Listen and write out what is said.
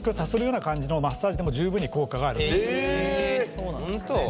そうなんですね。